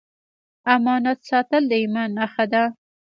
امانت ساتل د ایمان نښه ده